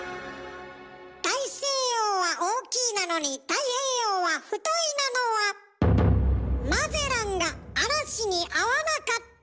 大西洋は「大」なのに太平洋は「太」なのはマゼランが嵐にあわなかったから。